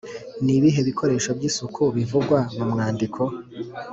Ni ibihe bikoresho by’ isuku bivugwa mu mwandiko?